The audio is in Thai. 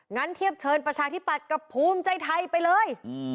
เทียบเชิญประชาธิปัตย์กับภูมิใจไทยไปเลย